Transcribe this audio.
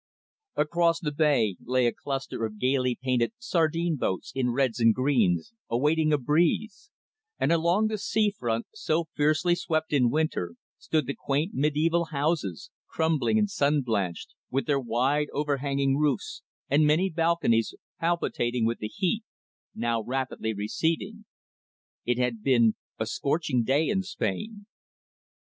Across the bay lay a cluster of gaily painted sardine boats in reds and greens, awaiting a breeze, and along the sea front, so fiercely swept in winter, stood the quaint mediaeval houses, crumbling and sun blanched, with their wide overhanging roofs and many balconies, palpitating with the heat, now rapidly receding. It had been a scorching day in Spain.